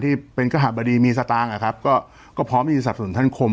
ที่เป็นกระหบดีมีสตางค์อะครับก็พร้อมที่จะสับสนุนท่านคม